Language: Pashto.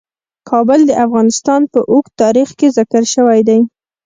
کابل د افغانستان په اوږده تاریخ کې ذکر شوی دی.